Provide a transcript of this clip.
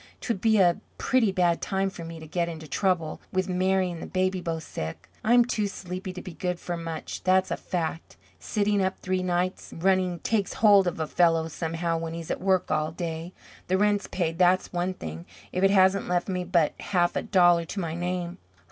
'Twould be a pretty bad time for me to get into trouble, with Mary and the baby both sick. I'm too sleepy to be good for much, that's a fact. Sitting up three nights running takes hold of a fellow somehow when he's at work all day. The rent's paid, that's one thing, if it hasn't left me but half a dollar to my name.